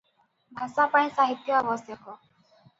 ଭାଷା ପାଇଁ ସାହିତ୍ୟ ଆବଶ୍ୟକ ।